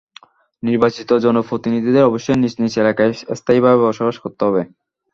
নির্বাচিত জনপ্রতিনিধিদের অবশ্যই নিজ নিজ এলাকায় স্থায়ীভাবে বসবাস করতে হবে।